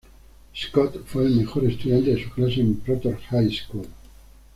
Scott fue el mejor estudiante de su clase en Proctor High School.